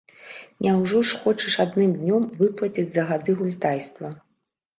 Няўжо ж хочаш адным днём выплаціць за гады гультайства?